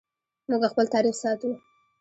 موږ خپل تاریخ ساتو